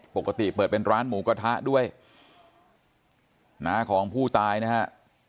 เปิดเป็นร้านหมูกระทะด้วยน้าของผู้ตายนะฮะ